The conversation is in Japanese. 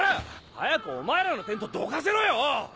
早くお前らのテントどかせろよ！！